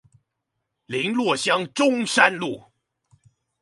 麟洛鄉中山路